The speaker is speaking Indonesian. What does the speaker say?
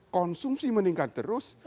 konsumsi meningkat terus